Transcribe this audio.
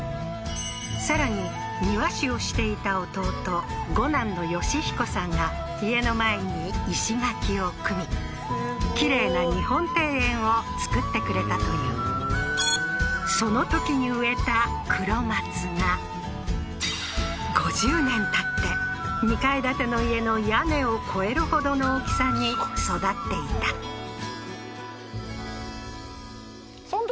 さらに庭師をしていた弟五男の芳彦さんが家の前に石垣を組みきれいな日本庭園を造ってくれたというそのときに植えた黒松が５０年建って２階建ての家の屋根を越えるほどの大きさに育っていたあっ